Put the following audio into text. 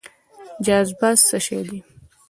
جاذبه څه شی دی؟